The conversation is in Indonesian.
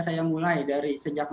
kita harus memiliki program